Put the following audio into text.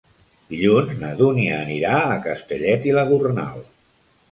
Dilluns na Dúnia anirà a Castellet i la Gornal.